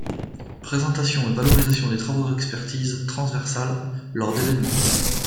Présentation et valorisation des travaux d’expertise transversale, lors d'événements.